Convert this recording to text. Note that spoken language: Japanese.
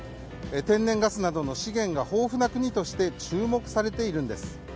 天然ガスなどの資源が豊富な国として注目されているんです。